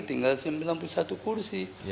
tinggal sembilan puluh satu kursi